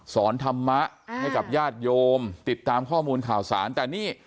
ธรรมะให้กับญาติโยมติดตามข้อมูลข่าวสารแต่นี่